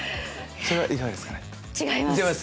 それはいかがですかね？